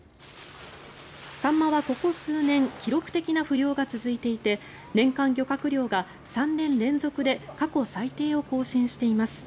サンマはここ数年記録的な不漁が続いていて年間漁獲量が３年連続で過去最低を更新しています。